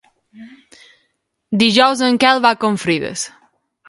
Dijous en Quel va a Confrides.